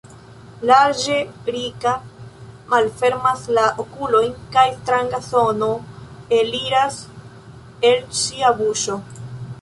Larĝe Rika malfermas la okulojn kaj stranga sono eliras el ŝia buŝo.